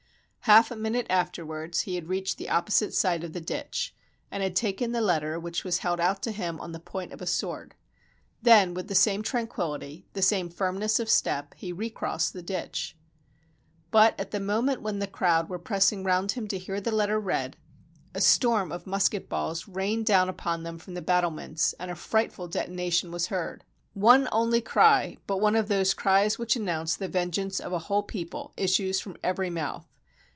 Half a minute after wards he had reached the opposite side of the ditch, and had taken the letter which was held out to him on the point of a sword. Then, with the same tranquillity, the same firmness of step, he recrossed the ditch. But at the moment when the crowd were pressing round him to hear the letter read, a storm of musket 292 THE FALL OF THE BASTILLE balls rained down upon them from the battlements, and a frightful detonation was heard. One only cry, but one of those cries which announce the vengeance of a whole people, issues from every mouth.